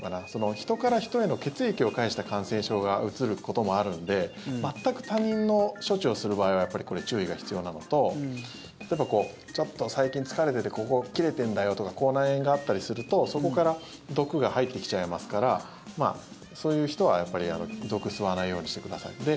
人から人への血液を介した感染症がうつることもあるので全く他人の処置をする場合はやっぱり注意が必要なのと例えば、ちょっと最近疲れててここ、切れてんだよとか口内炎があったりするとそこから毒が入ってきちゃいますからそういう人は、毒を吸わないようにしてください。